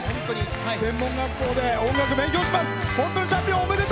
専門学校で音楽を勉強します。